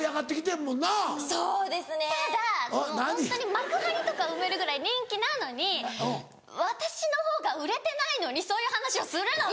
幕張とか埋めるぐらい人気なのに私の方が売れてないのにそういう話をするのが。